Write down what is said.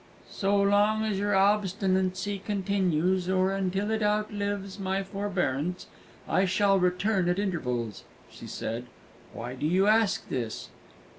"So long as your obstinacy continues, or until it outlives my forbearance, I shall return at intervals," she said. "Why do you ask this?"